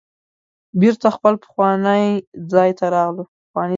بیرته خپل پخواني ځای ته راغلو.